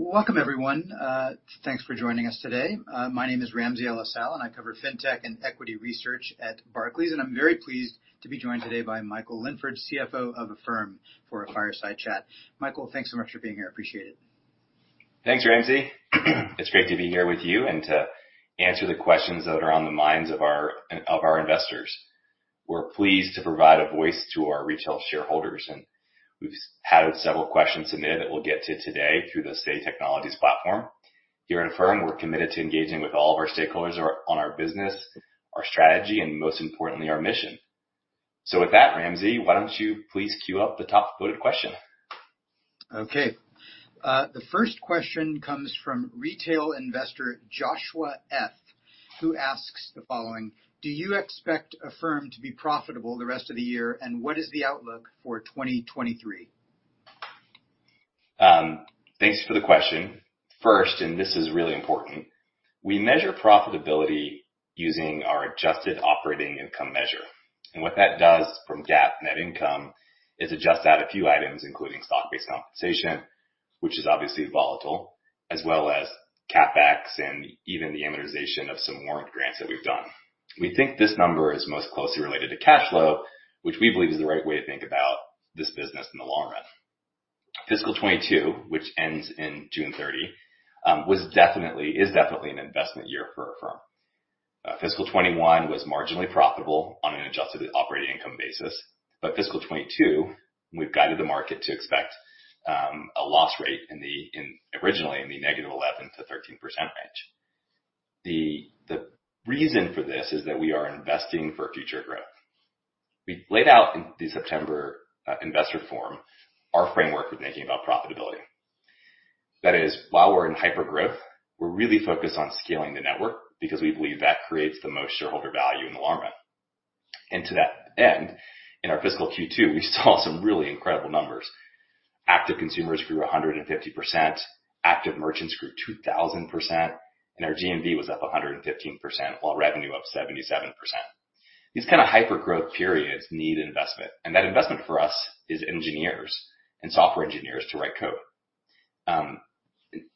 Welcome, everyone. Thanks for joining us today. My name is Ramsey El-Assal, and I cover fintech and equity research at Barclays, and I'm very pleased to be joined today by Michael Linford, CFO of Affirm, for a fireside chat. Michael, thanks so much for being here. Appreciate it. Thanks, Ramsey. It's great to be here with you and to answer the questions that are on the minds of our investors. We're pleased to provide a voice to our retail shareholders, and we've had several questions submitted that we'll get to today through the Say Technologies platform. Here at Affirm, we're committed to engaging with all of our stakeholders about our business, our strategy, and most importantly, our mission. With that, Ramsey, why don't you please queue up the top voted question. Okay. The first question comes from retail investor Joshua F., who asks the following: Do you expect Affirm to be profitable the rest of the year, and what is the outlook for 2023? Thanks for the question. First, this is really important, we measure profitability using our adjusted operating income measure. What that does from GAAP net income is adjust out a few items, including stock-based compensation, which is obviously volatile, as well as CapEx and even the amortization of some warrant grants that we've done. We think this number is most closely related to cash flow, which we believe is the right way to think about this business in the long run. Fiscal 2022, which ends in June 30, is definitely an investment year for Affirm. Fiscal 2021 was marginally profitable on an adjusted operating income basis, but fiscal 2022, we've guided the market to expect a loss rate originally in the negative 11%-13% range. The reason for this is that we are investing for future growth. We laid out in the September investor forum our framework for thinking about profitability. That is, while we're in hypergrowth, we're really focused on scaling the network because we believe that creates the most shareholder value in the long run. To that end, in our fiscal Q2, we saw some really incredible numbers. Active consumers grew 150%, active merchants grew 2,000%, and our GMV was up 115%, while revenue up 77%. These kinda hypergrowth periods need investment, and that investment for us is engineers and software engineers to write code.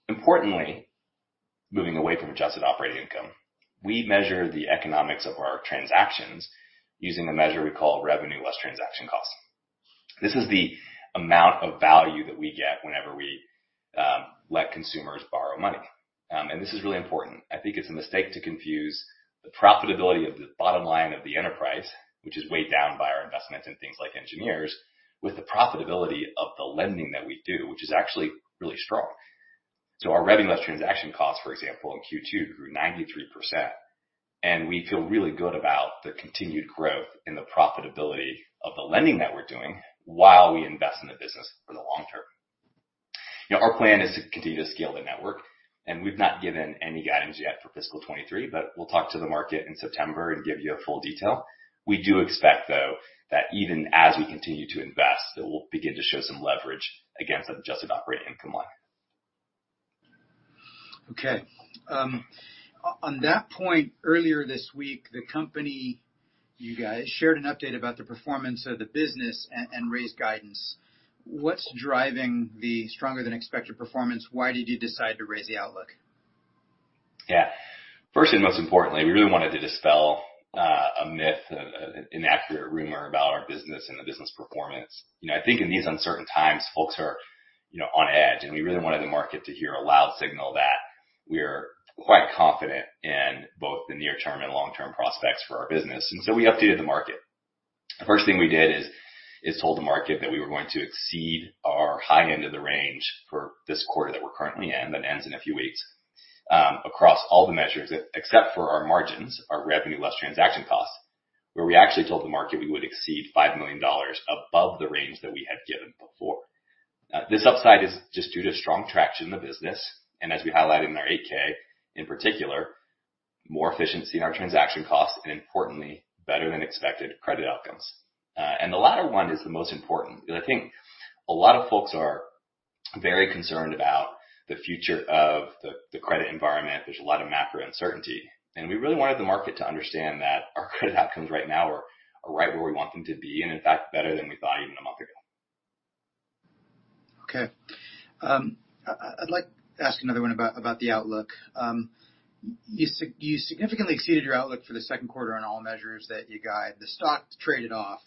Importantly, moving away from adjusted operating income, we measure the economics of our transactions using a measure we call revenue less transaction costs. This is the amount of value that we get whenever we let consumers borrow money. This is really important. I think it's a mistake to confuse the profitability of the bottom line of the enterprise, which is weighed down by our investments in things like engineers, with the profitability of the lending that we do, which is actually really strong. Our revenue less transaction costs, for example, in Q2 grew 93%, and we feel really good about the continued growth in the profitability of the lending that we're doing while we invest in the business for the long term. You know, our plan is to continue to scale the network, and we've not given any guidance yet for fiscal 2023, but we'll talk to the market in September and give you a full detail. We do expect, though, that even as we continue to invest, that we'll begin to show some leverage against that Adjusted Operating Income line. Okay. On that point, earlier this week, the company, you guys, shared an update about the performance of the business and raised guidance. What's driving the stronger than expected performance? Why did you decide to raise the outlook? Yeah. First and most importantly, we really wanted to dispel a myth, an inaccurate rumor about our business and the business performance. You know, I think in these uncertain times, folks are, you know, on edge, and we really wanted the market to hear a loud signal that we're quite confident in both the near-term and long-term prospects for our business, and so we updated the market. The first thing we did is told the market that we were going to exceed our high end of the range for this quarter that we're currently in, that ends in a few weeks, across all the measures except for our margins, our revenue less transaction costs, where we actually told the market we would exceed $5 million above the range that we had given before. This upside is just due to strong traction in the business, and as we highlighted in our 8-K, in particular, more efficiency in our transaction costs and, importantly, better than expected credit outcomes. The latter one is the most important because I think a lot of folks are very concerned about the future of the credit environment. There's a lot of macro uncertainty, and we really wanted the market to understand that our credit outcomes right now are right where we want them to be, and in fact, better than we thought even a month ago. I'd like to ask another one about the outlook. You significantly exceeded your outlook for the second quarter on all measures that you guide. The stock traded off,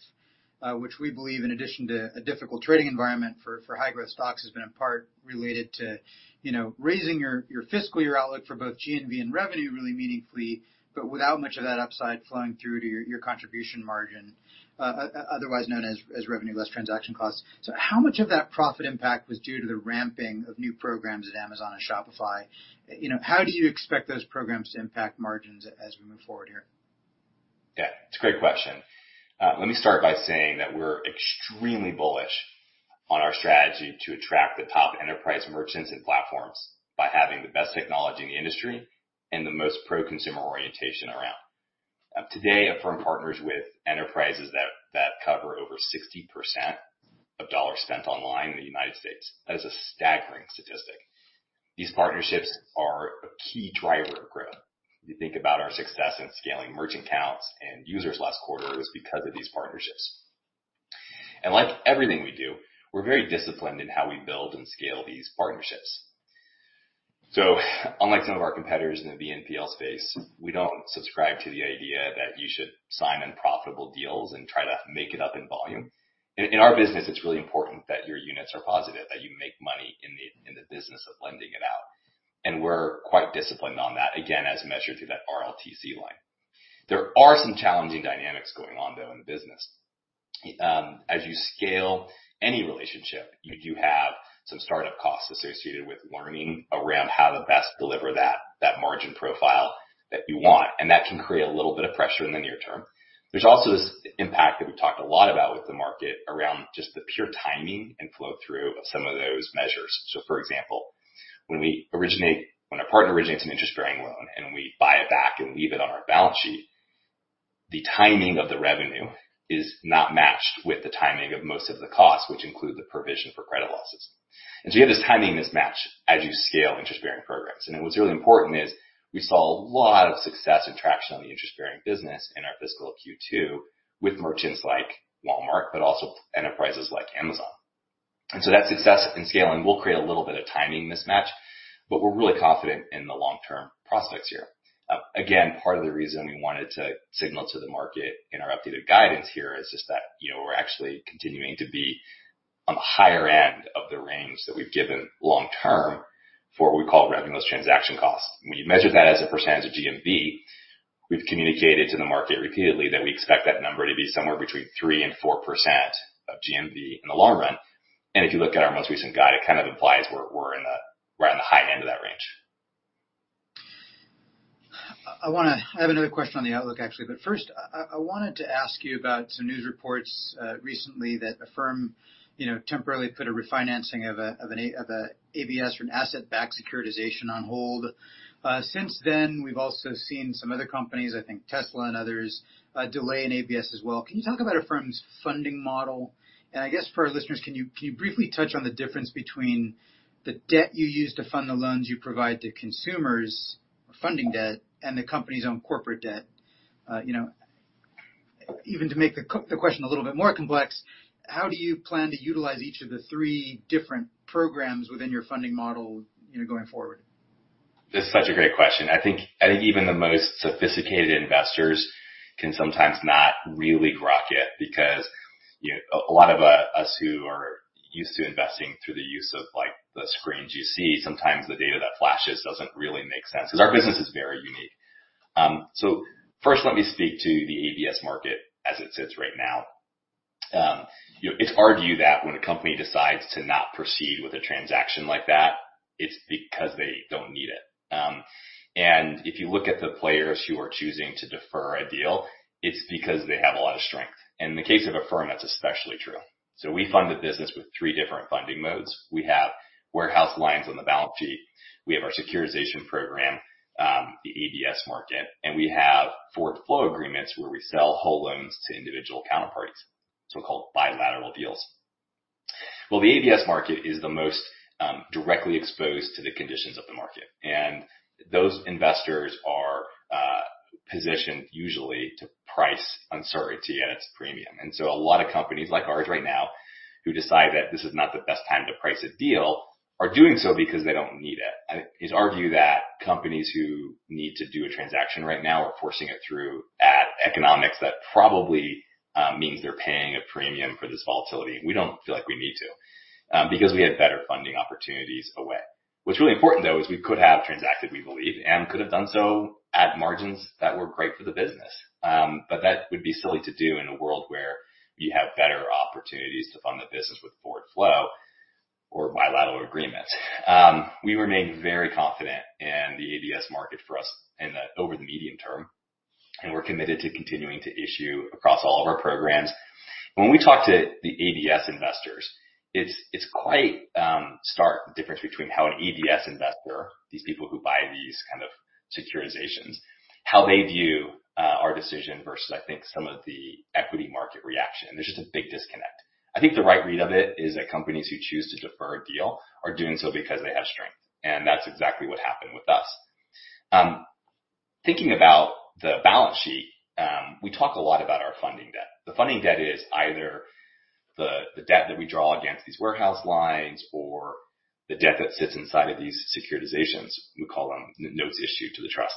which we believe in addition to a difficult trading environment for high growth stocks, has been in part related to, you know, raising your fiscal year outlook for both GMV and revenue really meaningfully, but without much of that upside flowing through to your contribution margin, otherwise known as revenue less transaction costs. How much of that profit impact was due to the ramping of new programs at Amazon and Shopify? You know, how do you expect those programs to impact margins as we move forward here? Yeah, it's a great question. Let me start by saying that we're extremely bullish on our strategy to attract the top enterprise merchants and platforms by having the best technology in the industry and the most pro-consumer orientation around. Today, Affirm partners with enterprises that cover over 60% of dollars spent online in the United States. That is a staggering statistic. These partnerships are a key driver of growth. You think about our success in scaling merchant counts and users last quarter is because of these partnerships. Like everything we do, we're very disciplined in how we build and scale these partnerships. Unlike some of our competitors in the BNPL space, we don't subscribe to the idea that you should sign unprofitable deals and try to make it up in volume. In our business, it's really important that your units are positive, that you make money in the business of lending it out, and we're quite disciplined on that, again, as measured through that RLTC line. There are some challenging dynamics going on, though, in the business. As you scale any relationship, you do have some start-up costs associated with learning around how to best deliver that margin profile that you want, and that can create a little bit of pressure in the near term. There's also this impact that we've talked a lot about with the market around just the pure timing and flow-through of some of those measures. For example, when a partner originates an interest-bearing loan and we buy it back and leave it on our balance sheet, the timing of the revenue is not matched with the timing of most of the costs, which include the provision for credit losses. You have this timing mismatch as you scale interest-bearing programs. What's really important is we saw a lot of success and traction on the interest-bearing business in our fiscal Q2 with merchants like Walmart, but also enterprises like Amazon. That success in scaling will create a little bit of timing mismatch, but we're really confident in the long-term prospects here. Again, part of the reason we wanted to signal to the market in our updated guidance here is just that, you know, we're actually continuing to be on the higher end of the range that we've given long term for what we call revenue less transaction costs. When you measure that as a percentage of GMV, we've communicated to the market repeatedly that we expect that number to be somewhere between 3% and 4% of GMV in the long run. If you look at our most recent guidance, it kind of implies we're on the high end of that range. I have another question on the outlook, actually, but first, I wanted to ask you about some news reports recently that Affirm, you know, temporarily put a refinancing of an ABS or an asset-backed securitization on hold. Since then, we've also seen some other companies, I think Tesla and others, delay an ABS as well. Can you talk about Affirm's funding model? I guess for our listeners, can you briefly touch on the difference between the debt you use to fund the loans you provide to consumers, funding debt, and the company's own corporate debt? Even to make the question a little bit more complex, how do you plan to utilize each of the three different programs within your funding model, you know, going forward? This is such a great question. I think even the most sophisticated investors can sometimes not really grok it because, you know, a lot of us who are used to investing through the use of, like, the screens you see, sometimes the data that flashes doesn't really make sense 'cause our business is very unique. First let me speak to the ABS market as it sits right now. You know, it's our view that when a company decides to not proceed with a transaction like that, it's because they don't need it. If you look at the players who are choosing to defer a deal, it's because they have a lot of strength. In the case of Affirm, that's especially true. We fund the business with three different funding modes. We have warehouse lines on the balance sheet, we have our securitization program, the ABS market, and we have forward flow agreements where we sell whole loans to individual counterparties, so-called bilateral deals. Well, the ABS market is the most directly exposed to the conditions of the market, and those investors are positioned usually to price uncertainty at its premium. A lot of companies like ours right now who decide that this is not the best time to price a deal are doing so because they don't need it. It's our view that companies who need to do a transaction right now are forcing it through at economics that probably means they're paying a premium for this volatility. We don't feel like we need to, because we have better funding opportunities away. What's really important, though, is we could have transacted, we believe, and could have done so at margins that were great for the business. But that would be silly to do in a world where you have better opportunities to fund the business with forward flow or bilateral agreements. We remain very confident in the ABS market for us over the medium term, and we're committed to continuing to issue across all of our programs. When we talk to the ABS investors, it's quite stark, the difference between how an ABS investor, these people who buy these kind of securitizations, how they view our decision versus, I think, some of the equity market reaction. There's just a big disconnect. I think the right read of it is that companies who choose to defer a deal are doing so because they have strength, and that's exactly what happened with us. Thinking about the balance sheet, we talk a lot about our funding debt. The funding debt is either the debt that we draw against these warehouse lines or the debt that sits inside of these securitizations. We call them n-notes issued to the trust,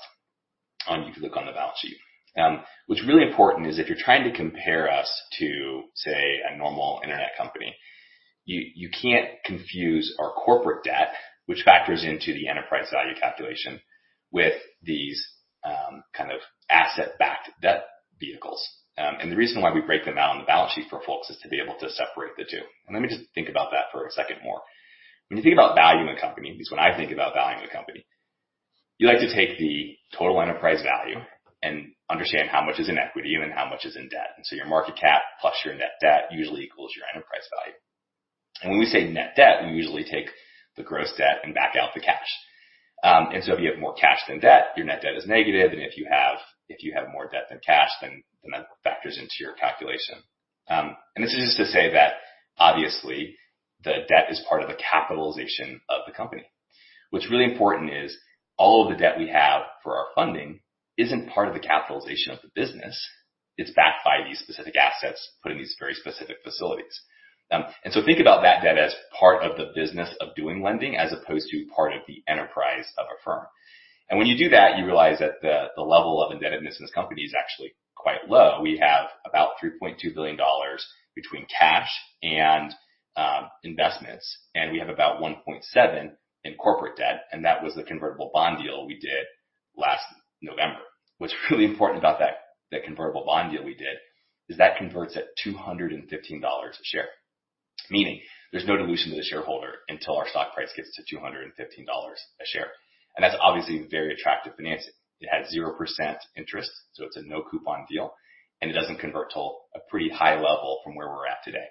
you can look on the balance sheet. What's really important is if you're trying to compare us to, say, a normal internet company, you can't confuse our corporate debt, which factors into the enterprise value calculation, with these kind of asset-backed debt vehicles. The reason why we break them out on the balance sheet for folks is to be able to separate the two. Let me just think about that for a second more. When you think about valuing a company, because when I think about valuing a company, you like to take the total enterprise value and understand how much is in equity and how much is in debt. Your market cap plus your net debt usually equals your enterprise value. When we say net debt, we usually take the gross debt and back out the cash. If you have more cash than debt, your net debt is negative. If you have more debt than cash, then that factors into your calculation. This is just to say that obviously the debt is part of the capitalization of the company. What's really important is all of the debt we have for our funding isn't part of the capitalization of the business. It's backed by these specific assets put in these very specific facilities. Think about that debt as part of the business of doing lending as opposed to part of the enterprise of a firm. When you do that, you realize that the level of indebtedness in this company is actually quite low. We have about $3.2 billion between cash and investments, and we have about $1.7 billion in corporate debt, and that was the convertible bond deal we did last November. What's really important about that convertible bond deal we did is that it converts at $215 per share, meaning there's no dilution to the shareholder until our stock price gets to $215 per share. That's obviously very attractive financing. It has 0% interest, so it's a no coupon deal, and it doesn't convert till a pretty high level from where we're at today.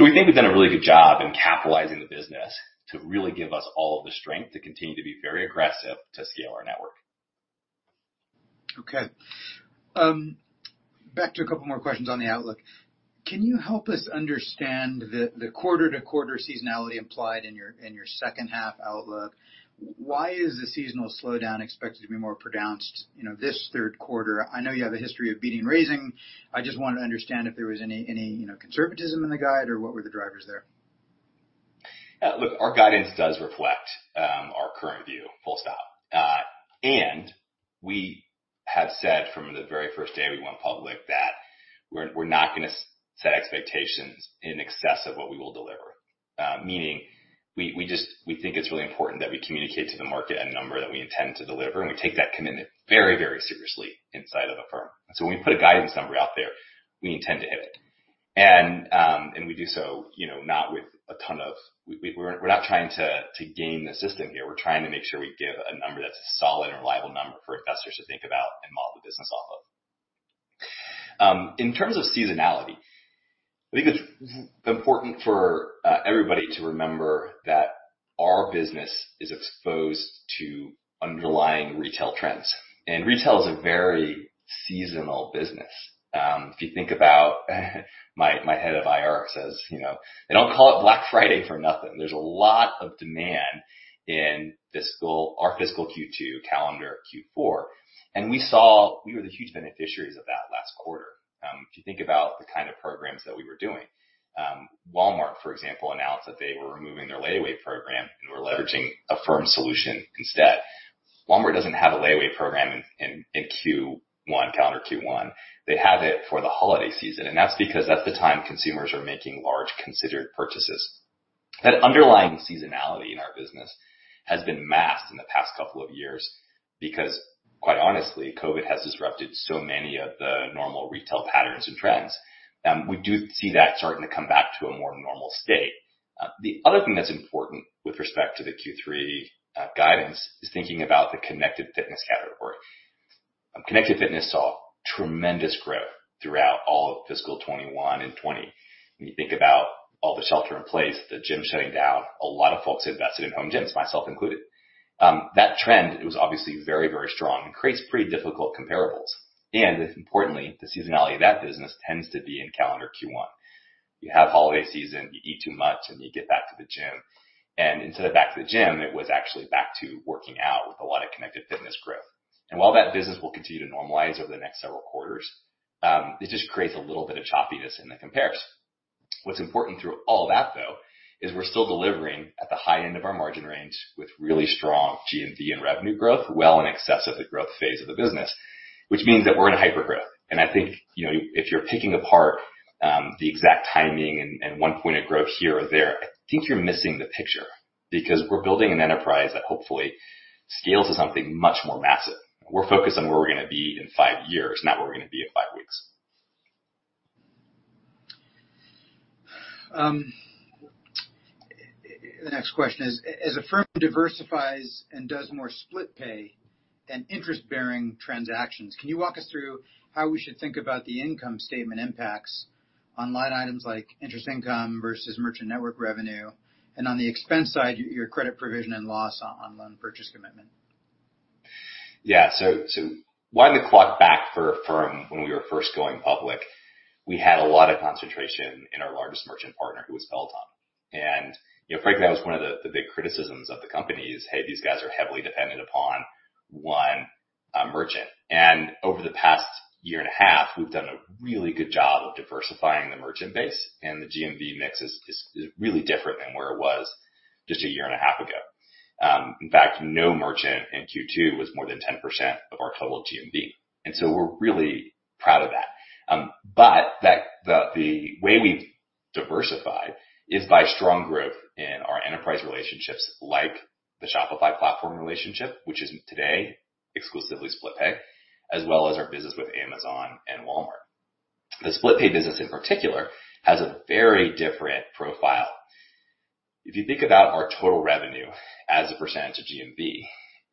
We think we've done a really good job in capitalizing the business to really give us all of the strength to continue to be very aggressive, to scale our network. Okay. Back to a couple more questions on the outlook. Can you help us understand the quarter-to-quarter seasonality implied in your second half outlook? Why is the seasonal slowdown expected to be more pronounced, you know, this third quarter? I know you have a history of beating and raising. I just wanted to understand if there was any, you know, conservatism in the guide or what were the drivers there. Look, our guidance does reflect our current view, full stop. We have said from the very first day we went public that we're not gonna set expectations in excess of what we will deliver. Meaning we just think it's really important that we communicate to the market a number that we intend to deliver, and we take that commitment very, very seriously inside of Affirm. When we put a guidance number out there, we intend to hit it. We do so, you know, not with a ton of. We're not trying to game the system here. We're trying to make sure we give a number that's a solid and reliable number for investors to think about and model the business off of. In terms of seasonality, I think it's very important for everybody to remember that our business is exposed to underlying retail trends, and retail is a very seasonal business. If you think about my head of IR says, you know, "They don't call it Black Friday for nothing." There's a lot of demand in fiscal Q2, calendar Q4, and we saw we were the huge beneficiaries of that last quarter. If you think about the kind of programs that we were doing, Walmart, for example, announced that they were removing their layaway program and were leveraging Affirm's solution instead. Walmart doesn't have a layaway program in Q1, calendar Q1. They have it for the holiday season, and that's because that's the time consumers are making large considered purchases. That underlying seasonality in our business has been masked in the past couple of years because, quite honestly, COVID has disrupted so many of the normal retail patterns and trends. We do see that starting to come back to a more normal state. The other thing that's important with respect to the Q3 guidance is thinking about the connected fitness category. Connected fitness saw tremendous growth throughout all of fiscal 2021 and 2020. When you think about all the shelter in place, the gyms shutting down, a lot of folks invested in home gyms, myself included. That trend it was obviously very, very strong and creates pretty difficult comparables. As importantly, the seasonality of that business tends to be in calendar Q1. You have holiday season, you eat too much, and you get back to the gym. Instead of back to the gym, it was actually back to working out with a lot of connected fitness growth. While that business will continue to normalize over the next several quarters, it just creates a little bit of choppiness in the compares. What's important through all that, though, is we're still delivering at the high end of our margin range with really strong GMV and revenue growth well in excess of the growth phase of the business, which means that we're in hypergrowth. I think, you know, if you're picking apart, the exact timing and one point of growth here or there, I think you're missing the picture because we're building an enterprise that hopefully scales to something much more massive. We're focused on where we're gonna be in five years, not where we're gonna be in five weeks. The next question is, as Affirm diversifies and does more Split Pay and interest-bearing transactions, can you walk us through how we should think about the income statement impacts on line items like interest income versus merchant network revenue? On the expense side, your credit provision and loss on loan purchase commitment. Yeah. Winding the clock back for Affirm, when we were first going public, we had a lot of concentration in our largest merchant partner who was Peloton. You know, frankly, that was one of the big criticisms of the company is, "Hey, these guys are heavily dependent upon one merchant." Over the past year and a half, we've done a really good job of diversifying the merchant base, and the GMV mix is really different than where it was just a year and a half ago. In fact, no merchant in Q2 was more than 10% of our total GMV, and so we're really proud of that. The way we've diversified is by strong growth in our enterprise relationships like the Shopify platform relationship, which is today exclusively Split Pay, as well as our business with Amazon and Walmart. The Split Pay business in particular has a very different profile. If you think about our total revenue as a percentage of GMV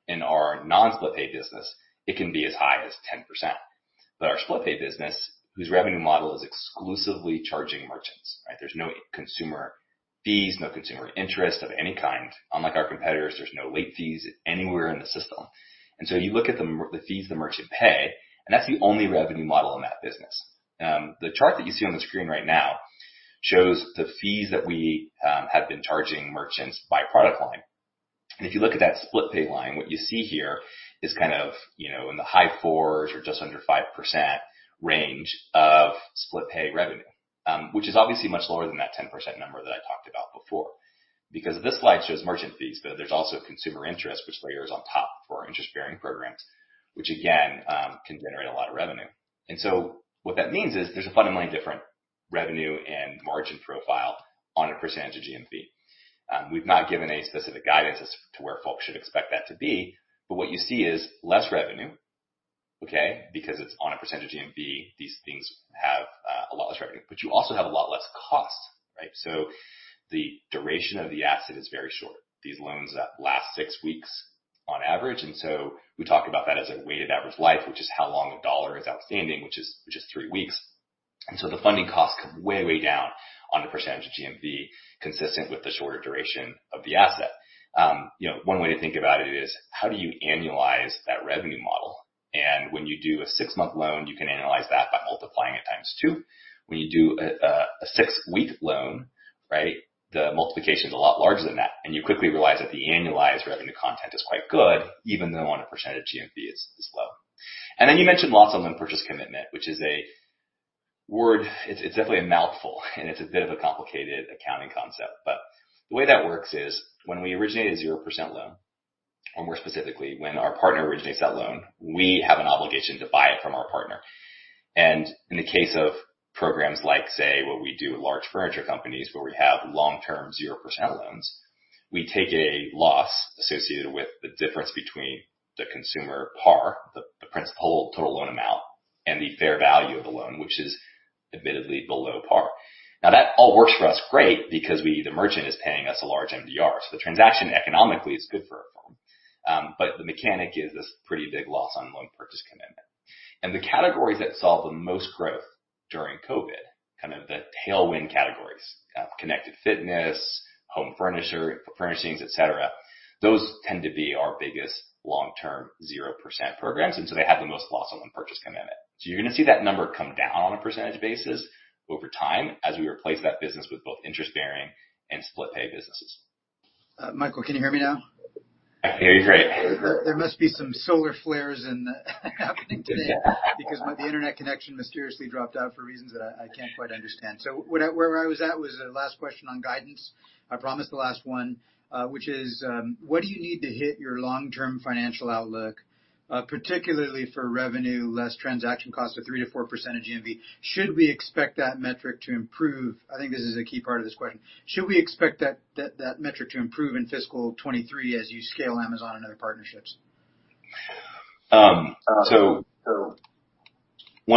in our non-Split Pay business, it can be as high as 10%. Our Split Pay business, whose revenue model is exclusively charging merchants, right? There's no consumer fees, no consumer interest of any kind. Unlike our competitors, there's no late fees anywhere in the system. You look at the fees the merchants pay, and that's the only revenue model in that business. The chart that you see on the screen right now shows the fees that we have been charging merchants by product line. If you look at that Split Pay line, what you see here is kind of, you know, in the high 4s or just under 5% range of Split Pay revenue, which is obviously much lower than that 10% number that I talked about before. This slide shows merchant fees, but there's also consumer interest which layers on top for our interest-bearing programs, which again, can generate a lot of revenue. What that means is there's a fundamentally different revenue and margin profile on a percentage of GMV. We've not given any specific guidance as to where folks should expect that to be, but what you see is less revenue, okay, because it's on a percentage of GMV. These things have a lot less revenue, but you also have a lot less cost, right? The duration of the asset is very short. These loans last six weeks on average, and we talk about that as a weighted average life, which is how long a dollar is outstanding, which is three weeks. The funding costs come way down on a percentage of GMV, consistent with the shorter duration of the asset. You know, one way to think about it is how do you annualize that revenue model? When you do a six-month loan, you can annualize that by multiplying it times two. When you do a six-week loan, right, the multiplication is a lot larger than that, and you quickly realize that the annualized revenue content is quite good, even though on a percentage of GMV is low. Then you mentioned loss on loan purchase commitment, which is a word. It's definitely a mouthful, and it's a bit of a complicated accounting concept. The way that works is when we originate a zero percent loan, or more specifically, when our partner originates that loan, we have an obligation to buy it from our partner. In the case of programs like, say, what we do with large furniture companies where we have long-term zero percent loans, we take a loss associated with the difference between the consumer par, the principal total loan amount, and the fair value of the loan, which is admittedly below par. Now, that all works for us great because the merchant is paying us a large MDR, so the transaction economically is good for our firm. The mechanic is this pretty big loss on loan purchase commitment. The categories that saw the most growth during COVID, kind of the tailwind categories, connected fitness, home furnishings, et cetera, those tend to be our biggest long-term 0% programs, and so they have the most loss on loan purchase commitment. You're gonna see that number come down on a percentage basis over time as we replace that business with both interest-bearing and Split Pay businesses. Michael, can you hear me now? I can hear you great. There must be some solar flares or something happening today because the internet connection mysteriously dropped out for reasons that I can't quite understand. Where I was at was the last question on guidance. I promise the last one, which is, what do you need to hit your long-term financial outlook, particularly for revenue less transaction costs of 3%-4% of GMV? Should we expect that metric to improve? I think this is a key part of this question. Should we expect that metric to improve in fiscal 2023 as you scale Amazon and other partnerships? Want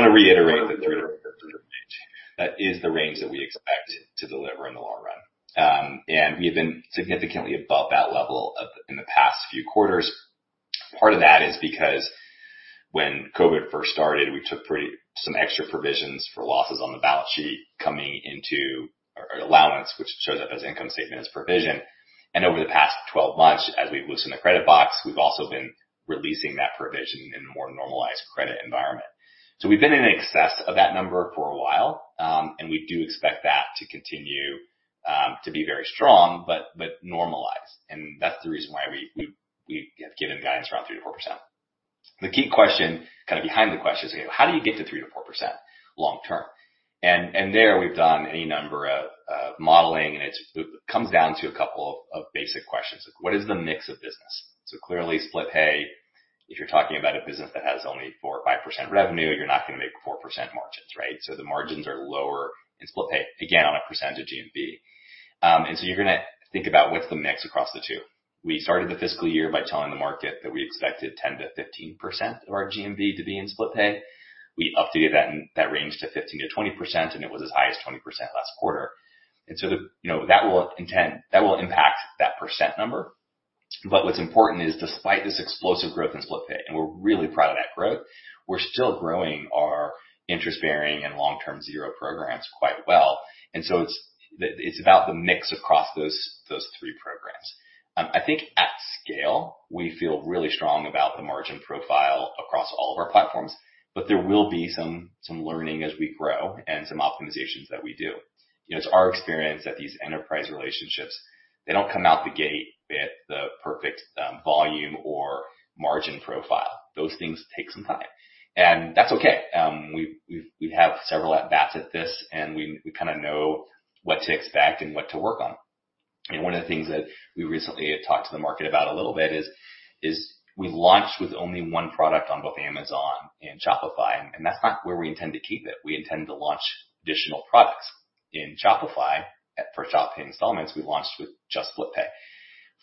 to reiterate the 3%-4% range. That is the range that we expect to deliver in the long run. We have been significantly above that level in the past few quarters. Part of that is because when COVID first started, we took some extra provisions for losses on the balance sheet coming into our allowance, which shows up on the income statement as provision. Over the past 12 months, as we've loosened the credit box, we've also been releasing that provision in a more normalized credit environment. We've been in excess of that number for a while, and we do expect that to continue to be very strong but normalized. That's the reason why we have given guidance around 3%-4%. The key question kind of behind the question is, how do you get to 3%-4% long term? There we've done any number of modeling, and it comes down to a couple of basic questions. Like what is the mix of business? Clearly Split Pay, if you're talking about a business that has only 4% or 5% revenue, you're not gonna make 4% margins, right? The margins are lower in Split Pay, again, on a percentage of GMV. You're gonna think about what's the mix across the two. We started the fiscal year by telling the market that we expected 10%-15% of our GMV to be in Split Pay. We updated that range to 15%-20%, and it was as high as 20% last quarter. The You know, that will impact that percent number. But what's important is despite this explosive growth in Split Pay, and we're really proud of that growth, we're still growing our interest-bearing and long-term zero programs quite well. It's about the mix across those three programs. I think at scale, we feel really strong about the margin profile across all of our platforms, but there will be some learning as we grow and some optimizations that we do. You know, it's our experience that these enterprise relationships, they don't come out the gate with the perfect volume or margin profile. Those things take some time, and that's okay. We have several at bats at this, and we kinda know what to expect and what to work on. One of the things that we recently talked to the market about a little bit is we launched with only one product on both Amazon and Shopify, and that's not where we intend to keep it. We intend to launch additional products. In Shopify, for Shop Pay Installments, we launched with just Split Pay.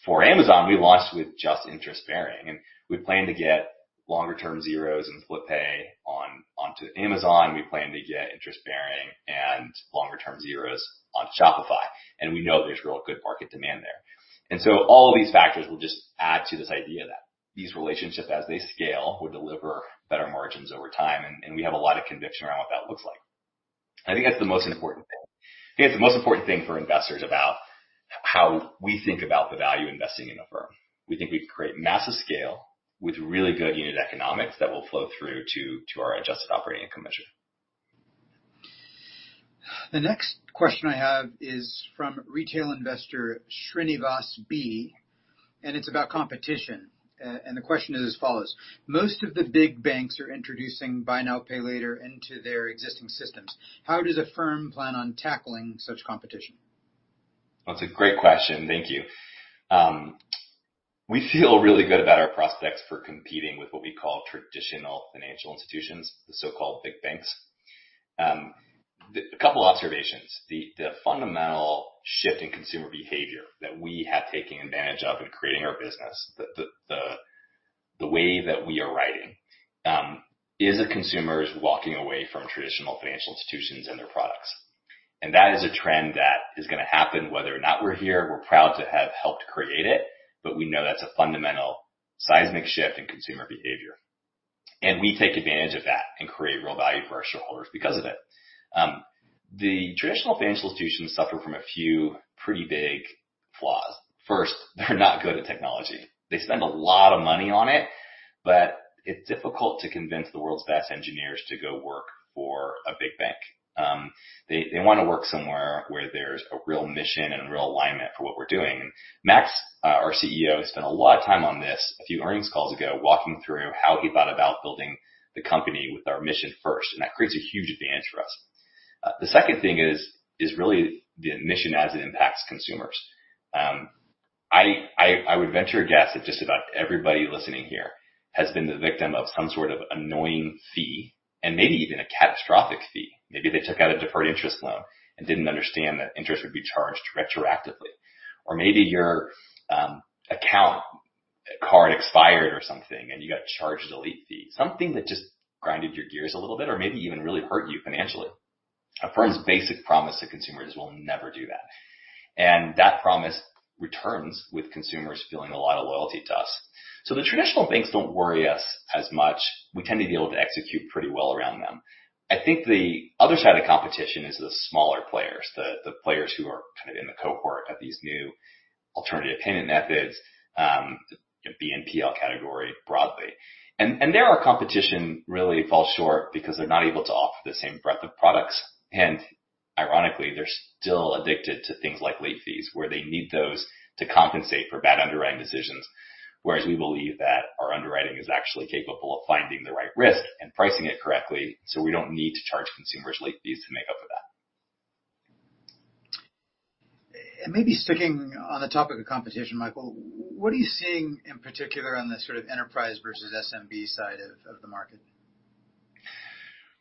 For Amazon, we launched with just interest-bearing, and we plan to get longer term zeros and Split Pay onto Amazon. We plan to get interest-bearing and longer term zeros on Shopify, and we know there's real good market demand there. All of these factors will just add to this idea that these relationships, as they scale, will deliver better margins over time, and we have a lot of conviction around what that looks like. I think that's the most important thing. I think that's the most important thing for investors about how we think about the value investing in Affirm. We think we can create massive scale with really good unit economics that will flow through to our Adjusted Operating Income measure. The next question I have is from retail investor Srinivas B, and it's about competition. The question is as follows: Most of the big banks are introducing buy now, pay later into their existing systems. How does Affirm plan on tackling such competition? That's a great question. Thank you. We feel really good about our prospects for competing with what we call traditional financial institutions, the so-called big banks. A couple observations. The fundamental shift in consumer behavior that we have taken advantage of in creating our business, the way that we are riding, is that consumers walking away from traditional financial institutions and their products. That is a trend that is gonna happen whether or not we're here. We're proud to have helped create it, but we know that's a fundamental seismic shift in consumer behavior. We take advantage of that and create real value for our shareholders because of it. The traditional financial institutions suffer from a few pretty big flaws. First, they're not good at technology. They spend a lot of money on it, but it's difficult to convince the world's best engineers to go work for a big bank. They wanna work somewhere where there's a real mission and a real alignment for what we're doing. Max, our CEO, spent a lot of time on this a few earnings calls ago, walking through how he thought about building the company with our mission first, and that creates a huge advantage for us. The second thing is really the mission as it impacts consumers. I would venture a guess that just about everybody listening here has been the victim of some sort of annoying fee and maybe even a catastrophic fee. Maybe they took out a deferred interest loan and didn't understand that interest would be charged retroactively. Maybe your account card expired or something, and you got charged a late fee, something that just ground your gears a little bit or maybe even really hurt you financially. Affirm's basic promise to consumers is we'll never do that, and that promise results in consumers feeling a lot of loyalty to us. The traditional banks don't worry us as much. We tend to be able to execute pretty well around them. I think the other side of the competition is the smaller players, the players who are kind of in the cohort of these new alternative payment methods, the BNPL category broadly. There our competition really falls short because they're not able to offer the same breadth of products. Ironically, they're still addicted to things like late fees, where they need those to compensate for bad underwriting decisions. Whereas we believe that our underwriting is actually capable of finding the right risk and pricing it correctly, so we don't need to charge consumers late fees to make up for that. Maybe sticking on the topic of competition, Michael, what are you seeing in particular on the sort of enterprise versus SMB side of the market?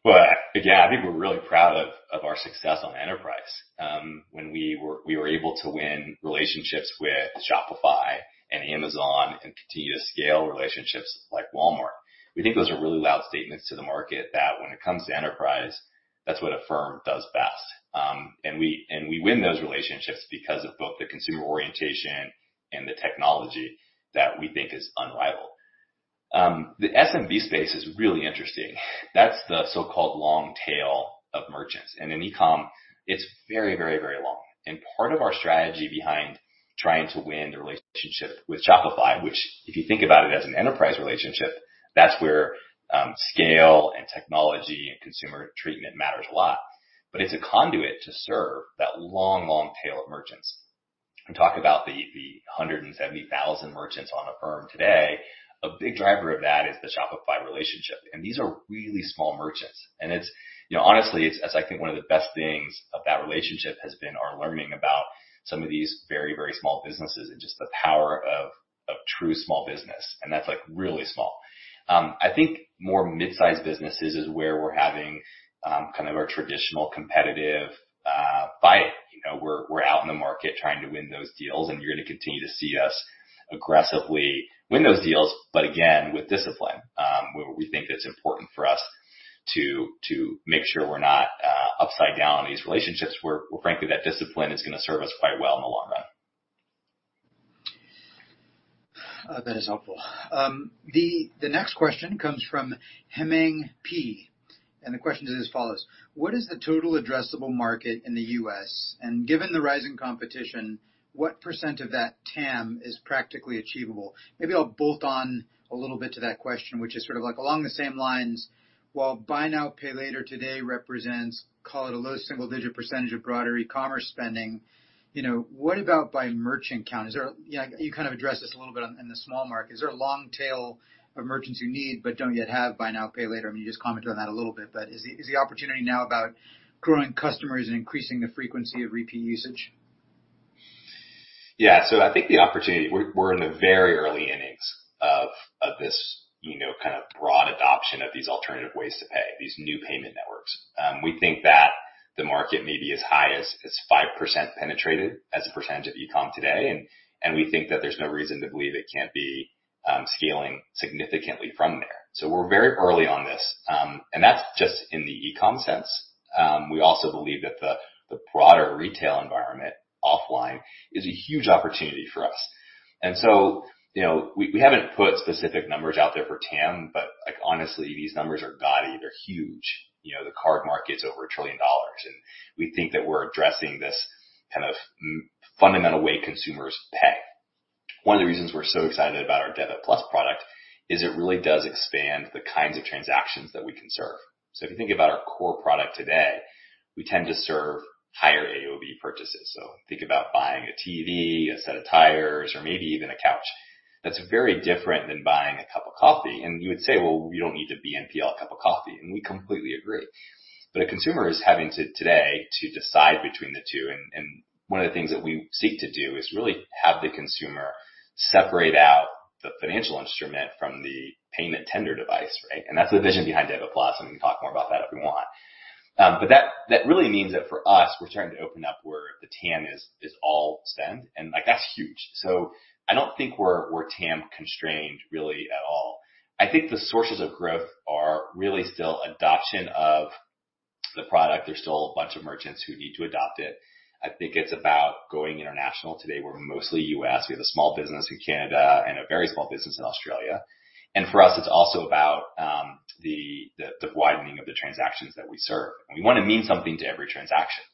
Well, again, I think we're really proud of our success on enterprise. When we were able to win relationships with Shopify and Amazon and continue to scale relationships like Walmart. We think those are really loud statements to the market that when it comes to enterprise, that's what Affirm does best. And we win those relationships because of both the consumer orientation and the technology that we think is unrivaled. The SMB space is really interesting. That's the so-called long tail of merchants. In e-com, it's very long. Part of our strategy behind trying to win the relationship with Shopify, which if you think about it as an enterprise relationship, that's where scale and technology and consumer treatment matters a lot. It's a conduit to serve that long tail of merchants. We talk about the 170,000 merchants on Affirm today. A big driver of that is the Shopify relationship, and these are really small merchants. It's, you know, honestly, it's as I think one of the best things of that relationship has been our learning about some of these very, very small businesses and just the power of true small business, and that's like really small. I think more mid-sized businesses is where we're having kind of our traditional competitive fight. You know, we're out in the market trying to win those deals, and you're gonna continue to see us aggressively win those deals, but again, with discipline. We think that's important for us to make sure we're not upside down on these relationships, where frankly, that discipline is gonna serve us quite well in the long run. That is helpful. The next question comes from Hemang P. The question is as follows: What is the total addressable market in the U.S.? Given the rising competition, what percent of that TAM is practically achievable? Maybe I'll bolt on a little bit to that question, which is sort of like along the same lines. While buy now, pay later today represents, call it a low single-digit percent of broader e-commerce spending, you know, what about by merchant count? You know, you kind of addressed this a little bit in the small market. Is there a long tail of merchants who need but don't yet have buy now, pay later? I mean, you just commented on that a little bit, but is the opportunity now about growing customers and increasing the frequency of repeat usage? Yeah. I think the opportunity, we're in the very early innings of this, you know, kind of broad adoption of these alternative ways to pay, these new payment networks. We think that the market may be as high as 5% penetrated as a percentage of e-com today, and we think that there's no reason to believe it can't be scaling significantly from there. We're very early on this. That's just in the e-com sense. We also believe that the broader retail environment offline is a huge opportunity for us. You know, we haven't put specific numbers out there for TAM, but like honestly, these numbers are gaudy, they're huge. You know, the card market's over $1 trillion, and we think that we're addressing this kind of fundamental way consumers pay. One of the reasons we're so excited about our Affirm Card product is it really does expand the kinds of transactions that we can serve. If you think about our core product today, we tend to serve higher AOV purchases. Think about buying a TV, a set of tires, or maybe even a couch. That's very different than buying a cup of coffee. You would say, "Well, we don't need to BNPL a cup of coffee," and we completely agree. A consumer is having to, today, to decide between the two, and one of the things that we seek to do is really have the consumer separate out the financial instrument from the payment tender device, right? That's the vision behind Affirm Card, and we can talk more about that if we want. That really means that for us, we're starting to open up where the TAM is all spend and like that's huge. I don't think we're TAM constrained really at all. I think the sources of growth are really still adoption of the product. There's still a bunch of merchants who need to adopt it. I think it's about going international. Today, we're mostly U.S. We have a small business in Canada and a very small business in Australia. For us, it's also about the widening of the transactions that we serve. We wanna mean something to every transaction.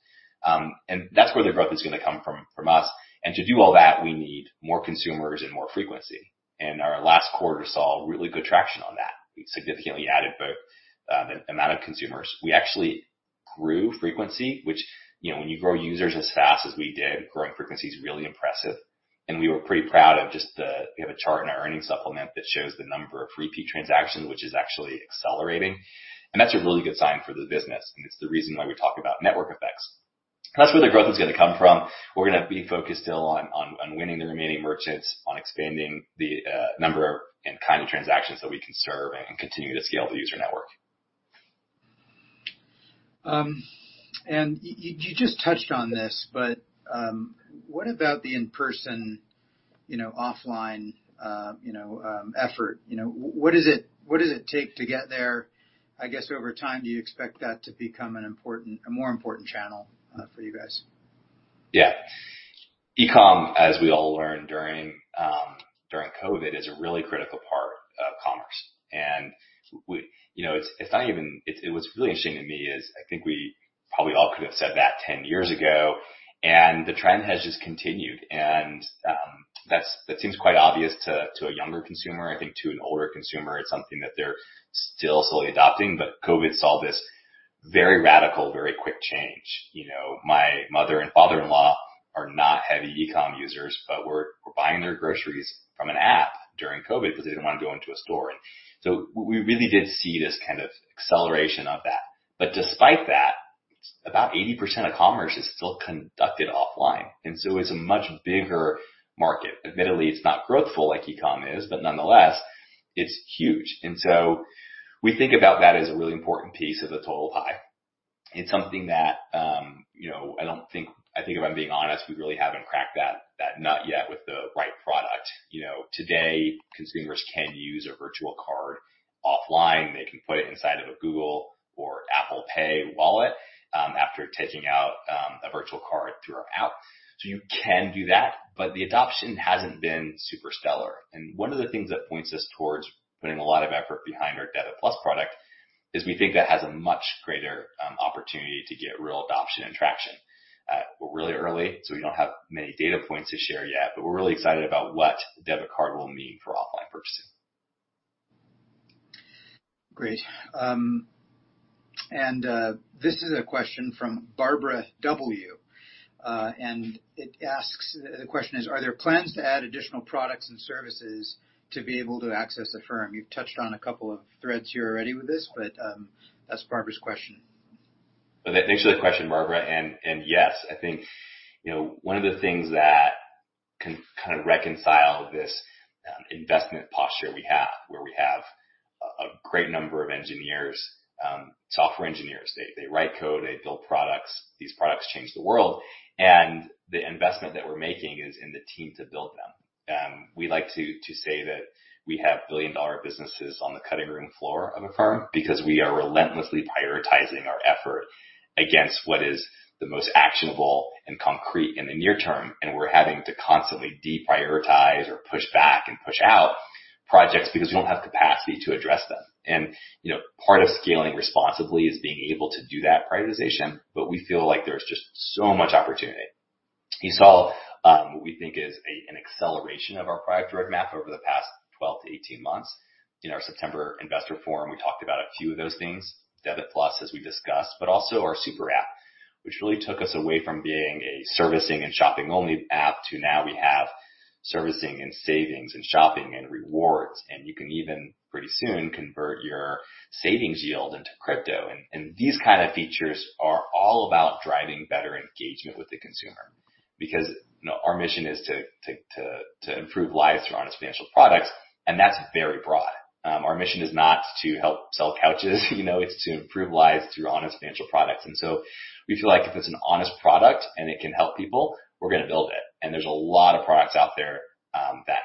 That's where the growth is gonna come from us. To do all that, we need more consumers and more frequency. Our last quarter saw really good traction on that. We significantly added both amount of consumers. We actually grew frequency, which, you know, when you grow users as fast as we did, growing frequency is really impressive. We were pretty proud of just the chart in our earnings supplement that shows the number of repeat transactions, which is actually accelerating, and that's a really good sign for the business, and it's the reason why we talk about network effects. That's where the growth is gonna come from. We're gonna be focused still on winning the remaining merchants, on expanding the number and kind of transactions that we can serve and continue to scale the user network. You just touched on this, but what about the in-person, you know, offline, you know, effort? You know, what is it, what does it take to get there? I guess over time, do you expect that to become a more important channel for you guys? Yeah. E-com, as we all learned during COVID, is a really critical part of commerce. You know, what's really interesting to me is I think we probably all could have said that 10 years ago, and the trend has just continued. That's quite obvious to a younger consumer. I think to an older consumer, it's something that they're still slowly adopting. COVID saw this very radical, very quick change. You know, my mother and father-in-law are not heavy e-com users, but were buying their groceries from an app during COVID because they didn't want to go into a store. We really did see this kind of acceleration of that. Despite that, about 80% of commerce is still conducted offline, and so it's a much bigger market. Admittedly, it's not growthful like e-com is, but nonetheless, it's huge. We think about that as a really important piece of the total pie. It's something that, you know, I think if I'm being honest, we really haven't cracked that nut yet with the right product. You know, today consumers can use a virtual card offline. They can put it inside of a Google or Apple Pay wallet, after taking out a virtual card through our app. So you can do that, but the adoption hasn't been super stellar. One of the things that points us towards putting a lot of effort behind our Affirm Card product is we think that has a much greater opportunity to get real adoption and traction. We're really early, so we don't have many data points to share yet, but we're really excited about what the debit card will mean for offline purchasing. Great. This is a question from Barbara W., and it asks, the question is, "Are there plans to add additional products and services to be able to access Affirm?" You've touched on a couple of threads here already with this, but that's Barbara's question. Thanks for the question, Barbara W. Yes, I think, you know, one of the things that can kind of reconcile this investment posture we have, where we have a great number of engineers, software engineers. They write code, they build products. These products change the world. The investment that we're making is in the team to build them. We like to say that we have billion-dollar businesses on the cutting room floor of Affirm because we are relentlessly prioritizing our effort against what is the most actionable and concrete in the near term, and we're having to constantly deprioritize or push back and push out projects because we don't have capacity to address them. You know, part of scaling responsibly is being able to do that prioritization, but we feel like there's just so much opportunity. You saw what we think is an acceleration of our product roadmap over the past 12 months-18 months. In our September investor forum, we talked about a few of those things, Debit+, as we discussed, but also our SuperApp, which really took us away from being a servicing and shopping only app to now we have servicing and savings and shopping and rewards, and you can even pretty soon convert your savings yield into crypto. These kind of features are all about driving better engagement with the consumer. Because, you know, our mission is to improve lives through honest financial products, and that's very broad. Our mission is not to help sell couches, you know. It's to improve lives through honest financial products. We feel like if it's an honest product and it can help people, we're gonna build it. There's a lot of products out there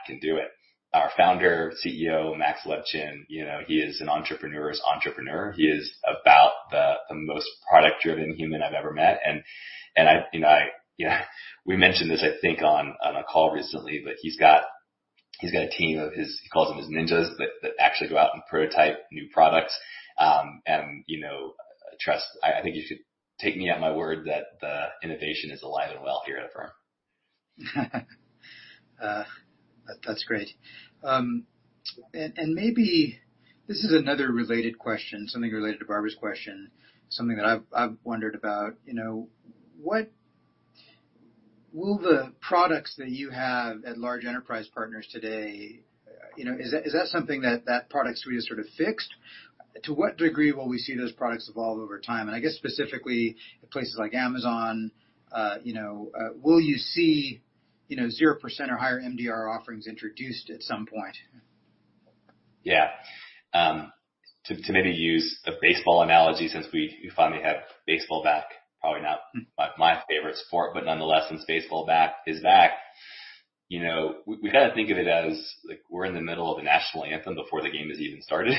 can do it. Our founder, CEO, Max Levchin, you know, he is an entrepreneur's entrepreneur. He is about the most product-driven human I've ever met, and I you know we mentioned this, I think, on a call recently, but he's got a team of his he calls them his ninjas that actually go out and prototype new products. You know, I think you should take me at my word that the innovation is alive and well here at Affirm. That's great. Maybe this is another related question, something related to Barbara W.'s question, something that I've wondered about. You know, what will the products that you have at large enterprise partners today, you know, is that something that product suite is sort of fixed? To what degree will we see those products evolve over time? I guess specifically places like Amazon, will you see 0% or higher MDR offerings introduced at some point? Yeah. To maybe use a baseball analogy since we finally have baseball back, probably not my favorite sport, but nonetheless, since baseball back is back, you know, we've gotta think of it as like we're in the middle of a national anthem before the game has even started.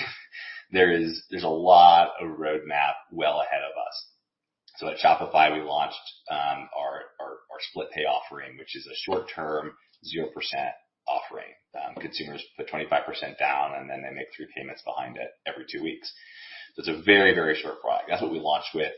There's a lot of roadmap well ahead of us. At Shopify, we launched our Split Pay offering, which is a short-term 0% offering. Consumers put 25% down, and then they make three payments behind it every two weeks. It's a very short product. That's what we launched with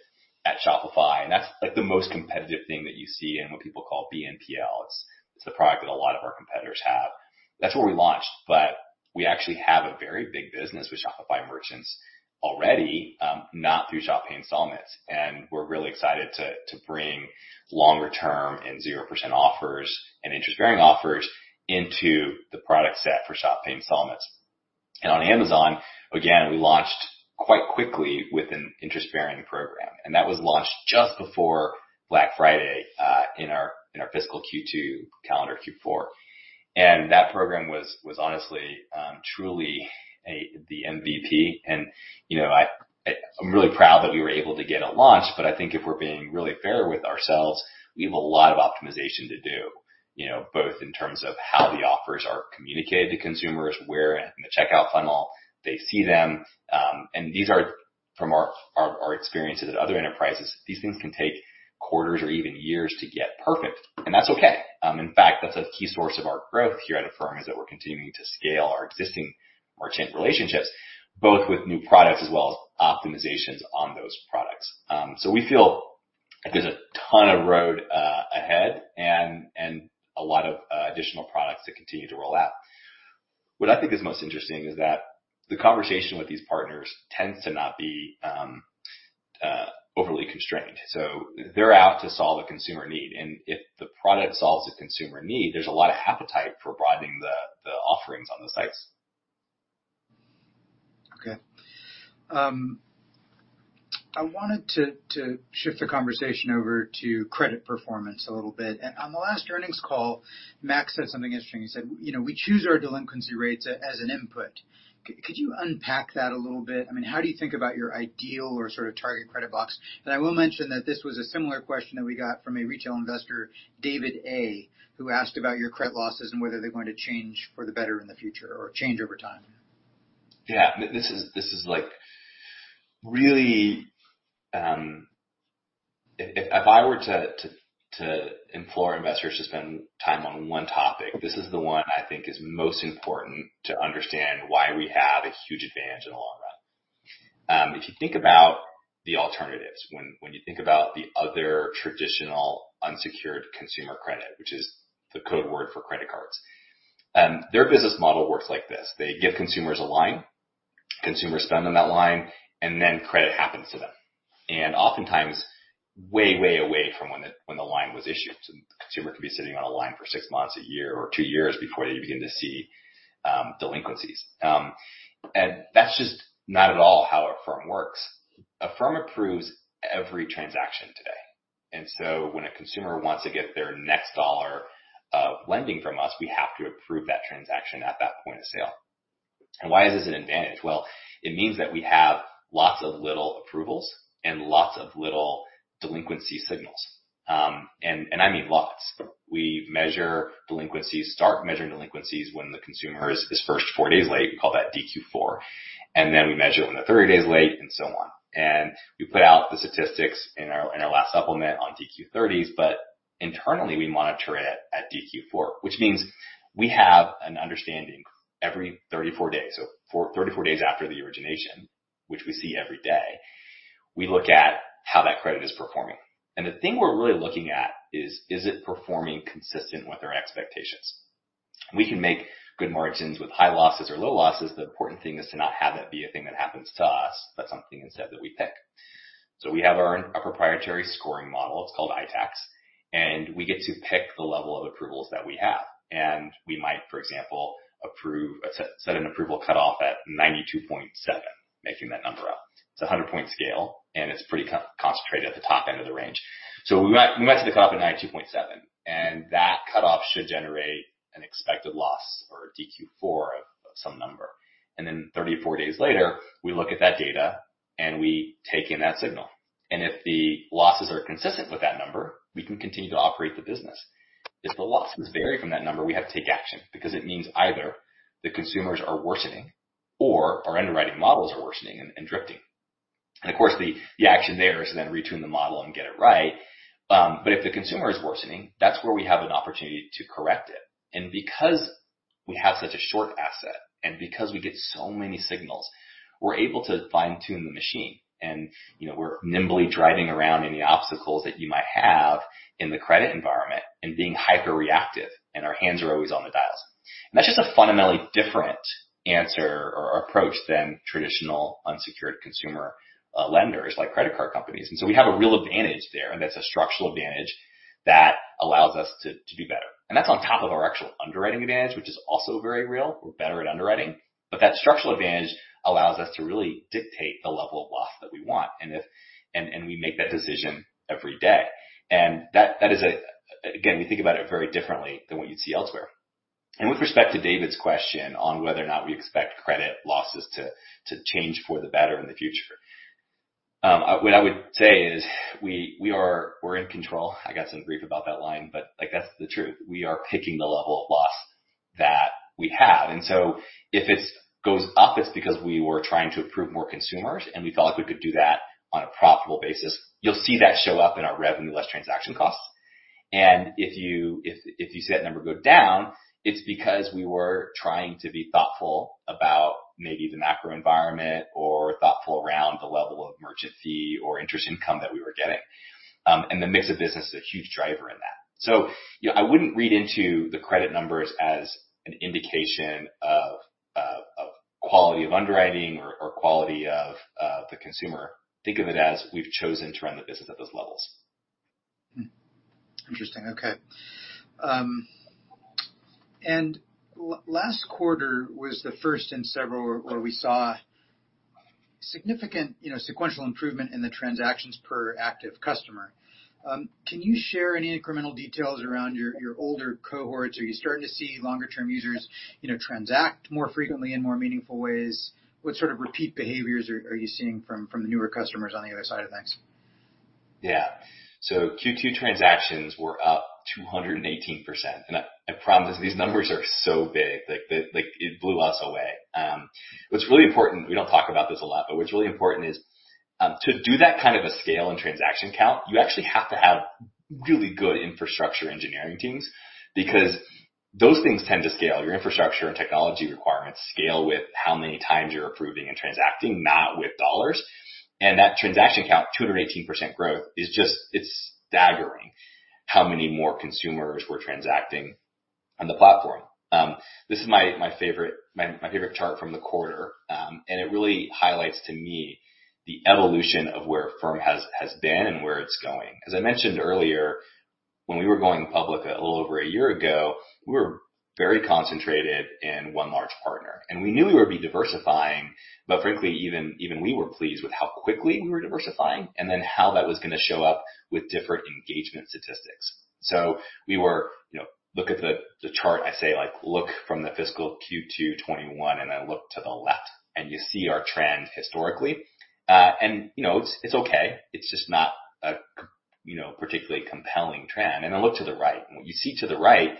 at Shopify, and that's like the most competitive thing that you see in what people call BNPL. It's the product that a lot of our competitors have. That's where we launched, but we actually have a very big business with Shopify merchants already, not through Shop Pay Installments, and we're really excited to bring longer term and zero percent offers and interest-bearing offers into the product set for Shop Pay Installments. On Amazon, again, we launched quite quickly with an interest-bearing program, and that was launched just before Black Friday in our fiscal Q2, calendar Q4. That program was honestly truly the MVP. You know, I'm really proud that we were able to get it launched, but I think if we're being really fair with ourselves, we have a lot of optimization to do, you know, both in terms of how the offers are communicated to consumers, where in the checkout funnel they see them, and these are from our experiences at other enterprises. These things can take quarters or even years to get perfect, and that's okay. In fact, that's a key source of our growth here at Affirm, is that we're continuing to scale our existing merchant relationships, both with new products as well as optimizations on those products. We feel like there's a ton of road ahead and a lot of additional products to continue to roll out. What I think is most interesting is that the conversation with these partners tends to not be overly constrained, so they're out to solve a consumer need, and if the product solves a consumer need, there's a lot of appetite for broadening the offerings on the sites. Okay. I wanted to shift the conversation over to credit performance a little bit. On the last earnings call, Max said something interesting. He said, you know, "We choose our delinquency rates as an input." Could you unpack that a little bit? I mean, how do you think about your ideal or sort of target credit box? I will mention that this was a similar question that we got from a retail investor, David A., who asked about your credit losses and whether they're going to change for the better in the future or change over time. Yeah. This is like really. If I were to implore investors to spend time on one topic, this is the one I think is most important to understand why we have a huge advantage in the long run. If you think about the alternatives, when you think about the other traditional unsecured consumer credit, which is the code word for credit cards, their business model works like this. They give consumers a line, consumers spend on that line, and then credit happens to them, and oftentimes way away from when the line was issued. The consumer could be sitting on a line for six months, a year, or two years before they begin to see delinquencies. That's just not at all how Affirm works. Affirm approves every transaction today. When a consumer wants to get their next dollar of lending from us, we have to approve that transaction at that point of sale. Why is this an advantage? Well, it means that we have lots of little approvals and lots of little delinquency signals. We measure delinquencies when the consumer is first four days late. We call that DQ4. Then we measure when they're 30 days late and so on. We put out the statistics in our last supplement on DQ30s, but internally, we monitor it at DQ4, which means we have an understanding every 34 days. For 34 days after the origination, which we see every day, we look at how that credit is performing. The thing we're really looking at is: Is it performing consistent with our expectations? We can make good margins with high losses or low losses. The important thing is to not have that be a thing that happens to us, but something instead that we pick. We have our proprietary scoring model. It's called ITACs, and we get to pick the level of approvals that we have. We might, for example, approve a set an approval cutoff at 92.7, making that number up. It's a 100-point scale, and it's pretty concentrated at the top end of the range. We might set the cutoff at 92.7, and that cutoff should generate an expected loss or a DQ4 of some number. Thirty four days later, we look at that data, and we take in that signal. If the losses are consistent with that number, we can continue to operate the business. If the losses vary from that number, we have to take action because it means either the consumers are worsening or our underwriting models are worsening and drifting. Of course, the action there is to then retune the model and get it right. If the consumer is worsening, that's where we have an opportunity to correct it. Because we have such a short asset and because we get so many signals, we're able to fine-tune the machine. You know, we're nimbly driving around any obstacles that you might have in the credit environment and being hyperreactive, and our hands are always on the dials. That's just a fundamentally different answer or approach than traditional unsecured consumer lenders like credit card companies. We have a real advantage there, and that's a structural advantage that allows us to do better. That's on top of our actual underwriting advantage, which is also very real. We're better at underwriting. That structural advantage allows us to really dictate the level of loss that we want and we make that decision every day. That is a. Again, we think about it very differently than what you'd see elsewhere. With respect to David A.'s question on whether or not we expect credit losses to change for the better in the future, what I would say is we're in control. I got some grief about that line, but, like, that's the truth. We are picking the level of loss that we have. If it goes up, it's because we were trying to approve more consumers, and we felt like we could do that on a profitable basis. You'll see that show up in our revenue less transaction costs. If you see that number go down, it's because we were trying to be thoughtful about maybe the macro environment or thoughtful around the level of merchant fee or interest income that we were getting. The mix of business is a huge driver in that. You know, I wouldn't read into the credit numbers as an indication of quality of underwriting or quality of the consumer. Think of it as we've chosen to run the business at those levels. Last quarter was the first in several where we saw significant, you know, sequential improvement in the transactions per active customer. Can you share any incremental details around your older cohorts? Are you starting to see longer-term users, you know, transact more frequently in more meaningful ways? What sort of repeat behaviors are you seeing from the newer customers on the other side of things? Yeah. Q2 transactions were up 218%. I promise these numbers are so big, like, it blew us away. What's really important, we don't talk about this a lot, but what's really important is to do that kind of a scale in transaction count. You actually have to have really good infrastructure engineering teams because those things tend to scale. Your infrastructure and technology requirements scale with how many times you're approving and transacting, not with dollars. That transaction count, 218% growth, it's staggering how many more consumers were transacting on the platform. This is my favorite chart from the quarter. It really highlights to me the evolution of where Affirm has been and where it's going. As I mentioned earlier, when we were going public a little over a year ago, we were very concentrated in one large partner, and we knew we would be diversifying, but frankly, even we were pleased with how quickly we were diversifying and then how that was gonna show up with different engagement statistics. You know, look at the chart. I say, like, look from the fiscal Q2 2021, and then look to the left and you see our trend historically. You know, it's okay. It's just not, you know, a particularly compelling trend. Then look to the right. What you see to the right